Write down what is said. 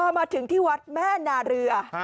มาถึงที่วัดแม่นาเรือ